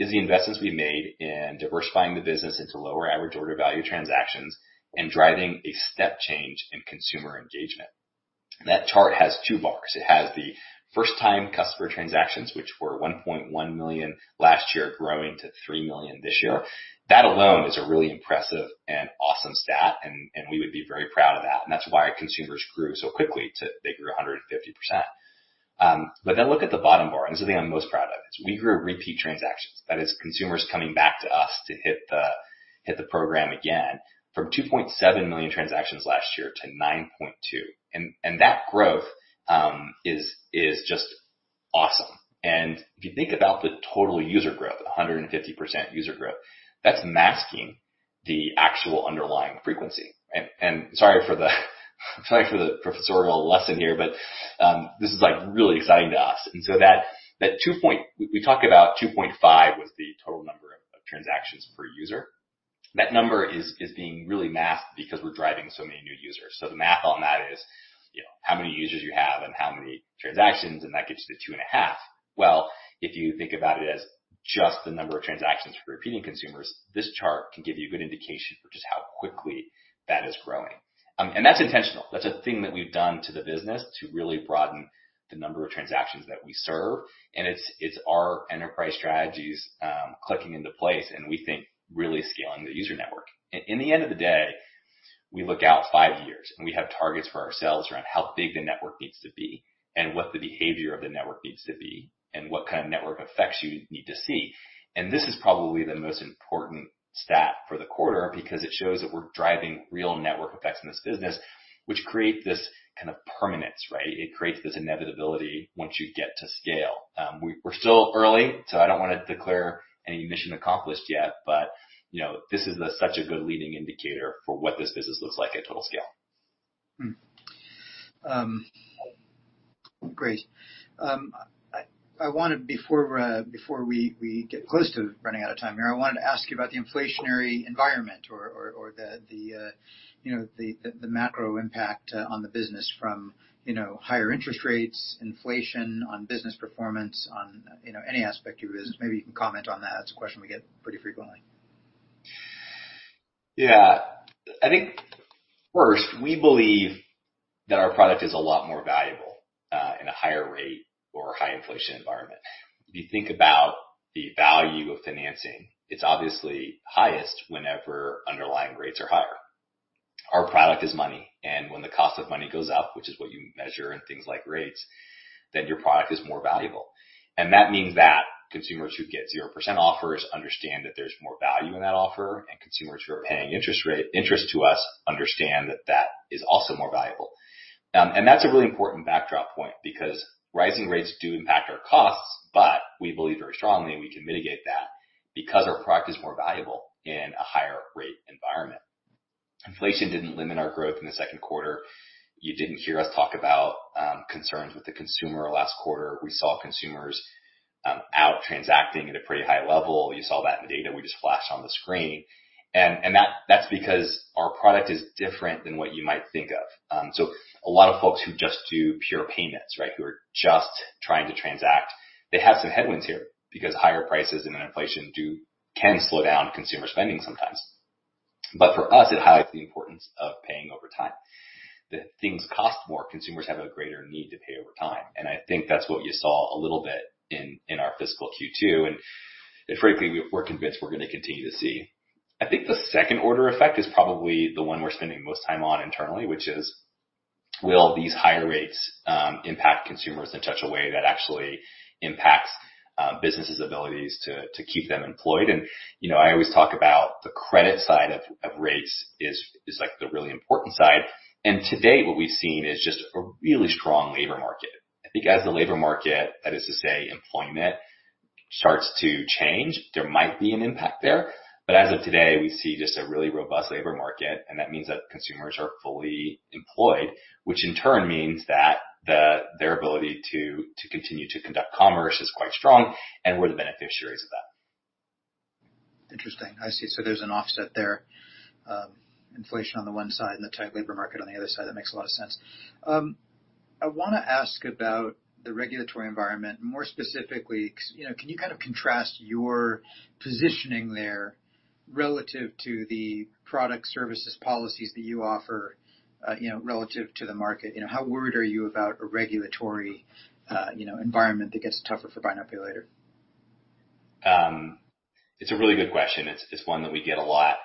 is the investments we made in diversifying the business into lower average order value transactions and driving a step change in consumer engagement. That chart has two bars. It has the first-time customer transactions, which were $1.1 million last year, growing to $3 million this year. That alone is a really impressive and awesome stat, and we would be very proud of that. That's why our consumers grew so quickly. They grew 150%. Look at the bottom bar, and this is the thing I'm most proud of, is we grew repeat transactions. That is consumers coming back to us to hit the program again from $2.7 million transactions last year to $9.2 million. That growth is just awesome. If you think about the total user growth, 150% user growth, that's masking the actual underlying frequency. Sorry for the professorial lesson here, but this is, like, really exciting to us. We talk about $2.5 million was the total number of transactions per user. That number is being really masked because we're driving so many new users. The math on that is, you know, how many users you have and how many transactions, and that gets you to $2.5 million. Well, if you think about it as just the number of transactions for repeating consumers, this chart can give you a good indication for just how quickly that is growing. That's intentional. That's a thing that we've done to the business to really broaden the number of transactions that we serve, and it's our enterprise strategies clicking into place, and we think really scaling the user network. At the end of the day, we look out five years, and we have targets for ourselves around how big the network needs to be and what the behavior of the network needs to be and what kind of network effects you need to see. This is probably the most important stat for the quarter because it shows that we're driving real network effects in this business, which create this kind of permanence, right? It creates this inevitability once you get to scale. We're still early, so I don't wanna declare any mission accomplished yet, but you know, this is such a good leading indicator for what this business looks like at total scale. Great. I wanted, before we get close to running out of time here, to ask you about the inflationary environment or, you know, the macro impact on the business from, you know, higher interest rates, inflation on business performance, on, you know, any aspect of your business. Maybe you can comment on that. It's a question we get pretty frequently. Yeah. I think first, we believe that our product is a lot more valuable in a higher rate or high inflation environment. If you think about the value of financing, it's obviously highest whenever underlying rates are higher. Our product is money, and when the cost of money goes up, which is what you measure in things like rates, then your product is more valuable. And that means that consumers who get zero% offers understand that there's more value in that offer, and consumers who are paying interest to us understand that that is also more valuable. And that's a really important backdrop point because rising rates do impact our costs, but we believe very strongly we can mitigate that because our product is more valuable in a higher rate environment. Inflation didn't limit our growth in the second quarter. You didn't hear us talk about, concerns with the consumer last quarter. We saw consumers, out transacting at a pretty high level. You saw that in the data we just flashed on the screen. That's because our product is different than what you might think of. So a lot of folks who just do pure payments, right, who are just trying to transact, they have some headwinds here because higher prices and inflation can slow down consumer spending sometimes. For us, it highlights the importance of paying over time, that things cost more, consumers have a greater need to pay over time. I think that's what you saw a little bit in our fiscal Q2. Frankly, we're convinced we're going to continue to see. I think the second order effect is probably the one we're spending most time on internally, which is will these higher rates impact consumers in such a way that actually impacts businesses' abilities to keep them employed? You know, I always talk about the credit side of rates is like the really important side. To date, what we've seen is just a really strong labor market. I think as the labor market, that is to say employment, starts to change, there might be an impact there. As of today, we see just a really robust labor market, and that means that consumers are fully employed, which in turn means that their ability to continue to conduct commerce is quite strong and we're the beneficiaries of that. Interesting. I see. There's an offset there, inflation on the one side and the tight labor market on the other side. That makes a lot of sense. I wanna ask about the regulatory environment, more specifically, you know, can you kind of contrast your positioning there relative to the product services policies that you offer, you know, relative to the market? You know, how worried are you about a regulatory, you know, environment that gets tougher for Buy Now, Pay Later? It's a really good question. It's one that we get a lot,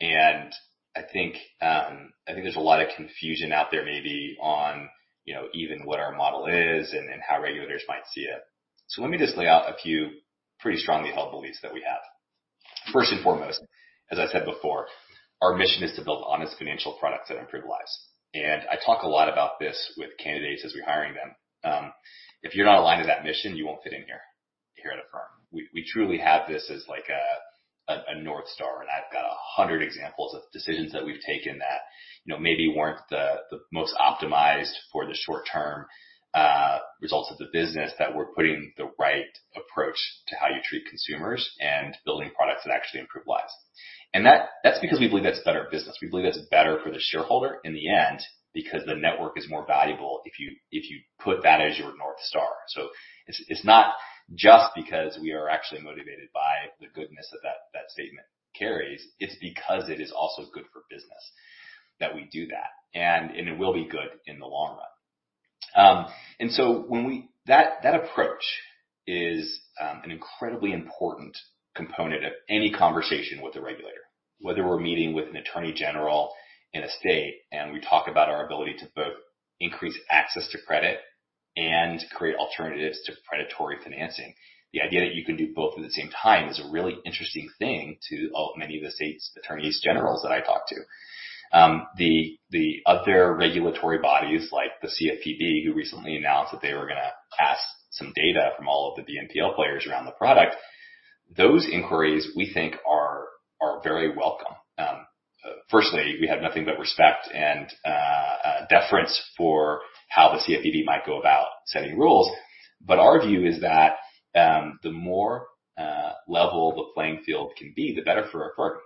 and I think, I think there's a lot of confusion out there maybe on, you know, even what our model is and how regulators might see it. So let me just lay out a few pretty strongly held beliefs that we have. First and foremost, as I said before, our mission is to build honest financial products that improve lives. I talk a lot about this with candidates as we're hiring them. If you're not aligned with that mission, you won't fit in here at Affirm. We truly have this as like a North Star, and I've got 100 examples of decisions that we've taken that, you know, maybe weren't the most optimized for the short term results of the business, that we're putting the right approach to how you treat consumers and building products that actually improve lives. That's because we believe that's better business. We believe that's better for the shareholder in the end because the network is more valuable if you put that as your North Star. It's not just because we are actually motivated by the goodness that statement carries. It's because it is also good for business that we do that, and it will be good in the long run. That approach is an incredibly important component of any conversation with a regulator. Whether we're meeting with an attorney general in a state, and we talk about our ability to both increase access to credit and create alternatives to predatory financing. The idea that you can do both at the same time is a really interesting thing to many of the states' attorneys general that I talk to. The other regulatory bodies like the CFPB, who recently announced that they were gonna ask some data from all of the BNPL players around the product, those inquiries we think are very welcome. Firstly, we have nothing but respect and deference for how the CFPB might go about setting rules. Our view is that the more level the playing field can be, the better for Affirm.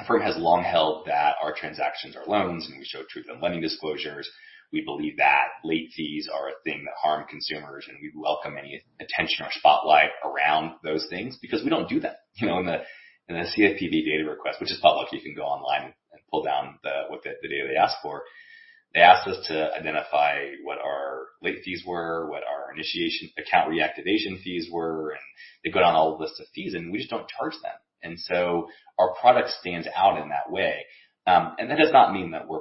Affirm has long held that our transactions are loans, and we show truth in lending disclosures. We believe that late fees are a thing that harm consumers, and we welcome any attention or spotlight around those things because we don't do that. You know, in the CFPB data request, which is public, you can go online and pull down what data they ask for. They asked us to identify what our late fees were, what our initiation account reactivation fees were, and they go down a whole list of fees, and we just don't charge them. Our product stands out in that way. That does not mean that we're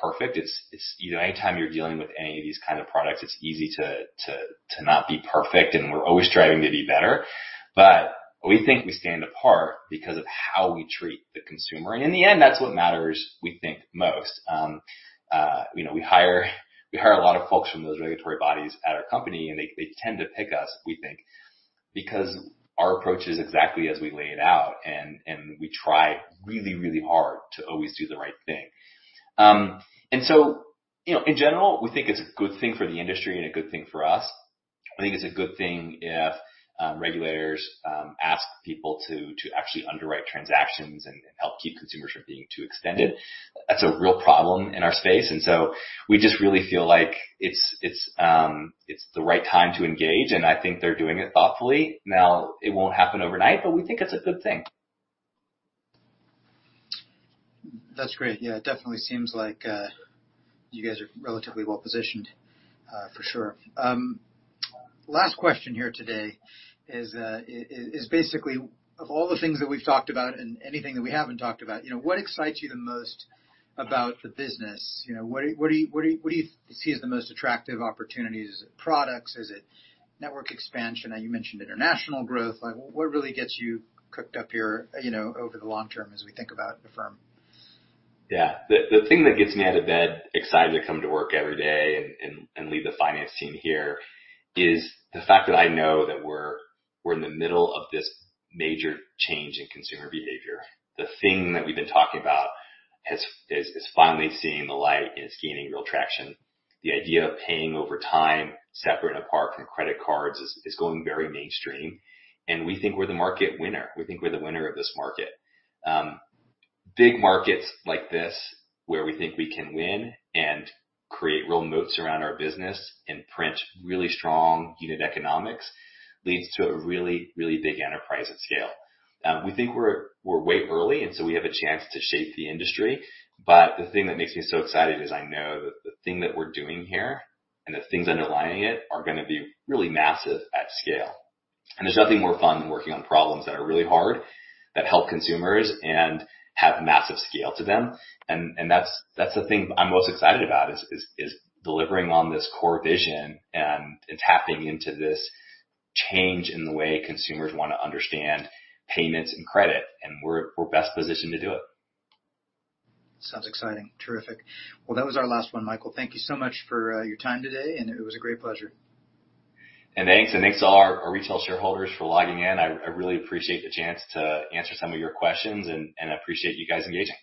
perfect. It's you know, anytime you're dealing with any of these kind of products, it's easy to not be perfect, and we're always striving to be better. We think we stand apart because of how we treat the consumer. In the end, that's what matters, we think most. You know, we hire a lot of folks from those regulatory bodies at our company, and they tend to pick us, we think because our approach is exactly as we lay it out, and we try really hard to always do the right thing. You know, in general, we think it's a good thing for the industry and a good thing for us. I think it's a good thing if regulators ask people to actually underwrite transactions and help keep consumers from being too extended. That's a real problem in our space, and so we just really feel like it's the right time to engage, and I think they're doing it thoughtfully. Now, it won't happen overnight, but we think it's a good thing. That's great. Yeah, it definitely seems like you guys are relatively well-positioned for sure. Last question here today is basically, of all the things that we've talked about and anything that we haven't talked about, you know, what excites you the most about the business? You know, what do you see as the most attractive opportunities? Is it products? Is it network expansion? Now you mentioned international growth. Like what really gets you cooked up here, you know, over the long term as we think about the firm? Yeah. The thing that gets me out of bed excited to come to work every day and lead the finance team here is the fact that I know that we're in the middle of this major change in consumer behavior. The thing that we've been talking about is finally seeing the light, is gaining real traction. The idea of paying over time, separate and apart from credit cards, is going very mainstream. We think we're the market winner. We think we're the winner of this market. Big markets like this, where we think we can win and create real moats around our business and print really strong unit economics leads to a really big enterprise at scale. We think we're way early, and so we have a chance to shape the industry. The thing that makes me so excited is I know that the thing that we're doing here and the things underlying it are gonna be really massive at scale. There's nothing more fun than working on problems that are really hard, that help consumers and have massive scale to them. That's the thing I'm most excited about is delivering on this core vision and tapping into this change in the way consumers wanna understand payments and credit, and we're best positioned to do it. Sounds exciting. Terrific. Well, that was our last one, Michael. Thank you so much for your time today, and it was a great pleasure. Thanks to all our retail shareholders for logging in. I really appreciate the chance to answer some of your questions, and I appreciate you guys engaging.